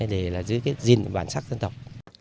để giữ gìn bản sắc dân tộc